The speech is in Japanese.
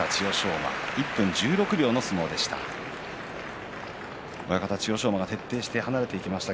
馬１分１６秒の相撲でした。